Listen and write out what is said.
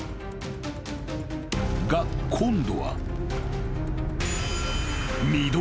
［が今度は］